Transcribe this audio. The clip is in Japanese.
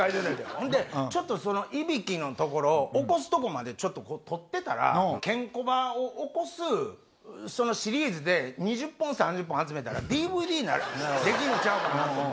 ほんでちょっとそのイビキのところを起こすとこまで撮ってたらケンコバを起こすシリーズで２０本３０本集めたらＤＶＤにできんのちゃうかなと思って。